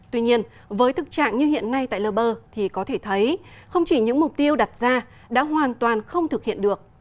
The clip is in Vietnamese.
tuy nhiên với thực trạng như hiện nay tại lơber thì có thể thấy không chỉ những mục tiêu đặt ra đã hoàn toàn không thực hiện được